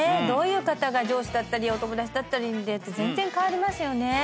どういう方が上司だったりお友達だったりで全然変わりますよね。